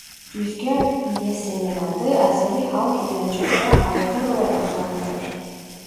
Rüzgâr iyesinin adı Azeri halk inancında "Haydar" olarak da anılır.